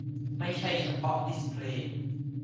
ไม่ใช่เฉพาะดิสเพลย์